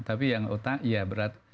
tapi yang otak ya berat